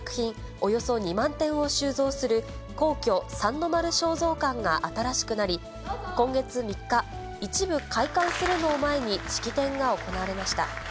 およそ２万点を収蔵する、皇居三の丸尚蔵館が新しくなり、今月３日、一部開館するのを前に式典が行われました。